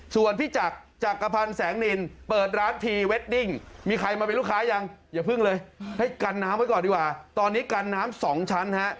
ส่วนพี่จักรจักรพันธ์แสงนินเปิดร้านพรีเวดดิ้งมีใครมาเป็นลูกค้ายังอย่าเพิ่งเลยให้กันน้ำไว้ก่อนดีกว่าตอนนี้กันน้ำสองชั้นฮะ